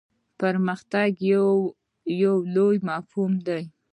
پرمختګ یو لوی مفهوم دی.